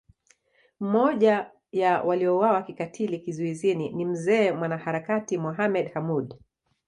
Mmoja ya waliouawa kikatili kizuizini ni Mzee mwanaharakati Mohamed Hamoud